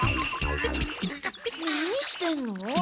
何してんの？